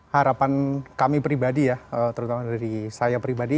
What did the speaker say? harapan kami pribadi ya terutama dari saya pribadi